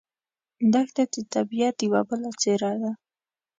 دښته د طبیعت یوه بله څېره ده.